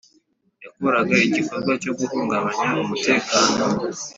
Yakoraga igikorwa cyo guhungabanya umutekano